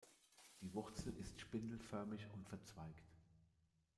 Die Wurzel ist spindelförmig und verzweigt.